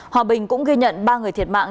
hòa bình cũng ghi nhận ba người thiệt mạng